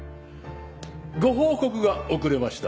ご報告が遅れました。